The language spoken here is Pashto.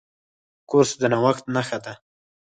کورس د نوښت نښه ده.